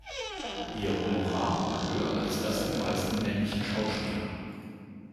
Ihr Honorar war höher als das der meisten männlichen Schauspieler.